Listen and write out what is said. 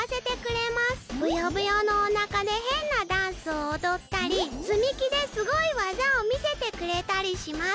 ブヨブヨのおなかでへんなダンスをおどったりつみきですごいわざをみせてくれたりします。